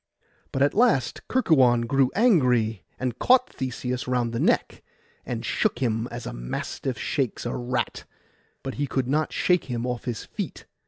But at last Kerkuon grew angry, and caught Theseus round the neck, and shook him as a mastiff shakes a rat; but he could not shake him off his feet.